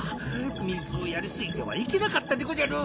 みずをやりすぎてはいけなかったでごじゃる！